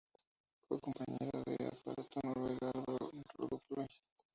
Fue compañera de Amparo Noguera y Álvaro Rudolphy.